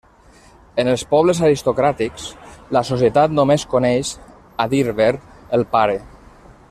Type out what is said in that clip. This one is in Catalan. En els pobles aristocràtics, la societat només coneix, a dir ver, el pare.